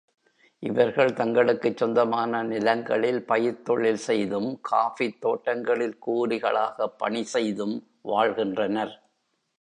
இவர்கள் தங்களுக்குச் சொந்தமான நிலங்களில் பயிர்த் தொழில் செய்தும், காஃபித் தோட்டங்களில் கூலிகளாகப் பணி செய்தும் வாழ்கின்றனர்.